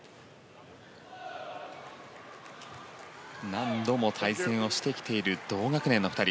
何度も対戦をしてきている同学年の２人。